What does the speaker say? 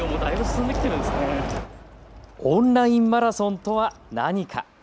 オンラインマラソンとは何か。